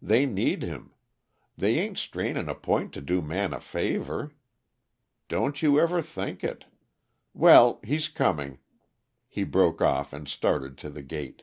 "They need him. They ain't straining a point to do Man a favor don't you ever think it! Well he's coming," he broke off, and started to the gate.